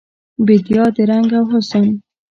بیدیا د رنګ او حسن